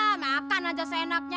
eh makan aja seenaknya